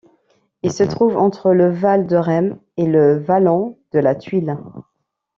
Il se trouve entre le val de Rhêmes et le vallon de La Thuile.